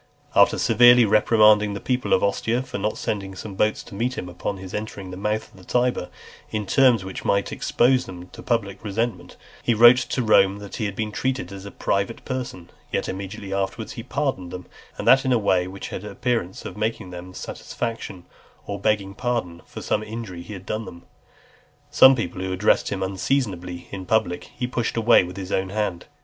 After severely reprimanding the people of Ostia for not sending some boats to meet him upon his entering the mouth of the Tiber, in terms which might expose them to the public resentment, he wrote to Rome that he had been treated as a private person; yet immediately afterwards he pardoned them, and that in a way which had the appearance of making them (327) satisfaction, or begging pardon for some injury he had done them. Some people who addressed him unseasonably in public, he pushed away with his own hand.